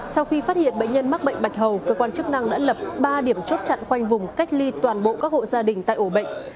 sau khi phát hiện bệnh nhân mắc bệnh bạch hầu cơ quan chức năng đã lập ba điểm chốt chặn khoanh vùng cách ly toàn bộ các hộ gia đình tại ổ bệnh